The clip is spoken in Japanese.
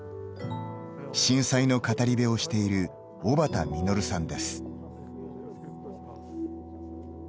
震災の語り部をしている小幡実さんです。